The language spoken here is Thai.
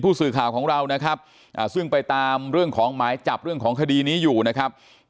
สื่อข่าวของเรานะครับซึ่งไปตามเรื่องของหมายจับเรื่องของคดีนี้อยู่นะครับ